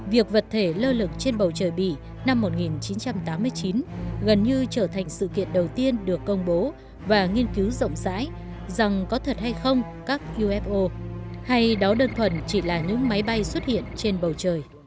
việc vật thể lơ lửng trên bầu trời bỉ năm một nghìn chín trăm tám mươi chín gần như trở thành sự kiện đầu tiên được công bố và nghiên cứu rộng rãi rằng có thật hay không các qfo hay đó đơn thuần chỉ là những máy bay xuất hiện trên bầu trời